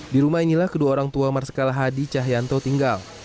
di rumah inilah kedua orang tua marsikal hadi cahyanto tinggal